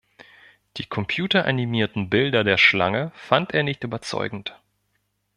Die computeranimierten Bilder der Schlange fand er nicht überzeugend.